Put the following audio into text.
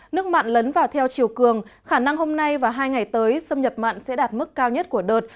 nước mặn lấn vào theo chiều cường khả năng hôm nay và hai ngày tới xâm nhập mặn sẽ đạt mức cao nhất của đợt